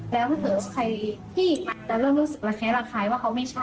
แล้วเมื่อเถอะใครรู้สึกหลักคล้ายว่าเขาไม่ใช่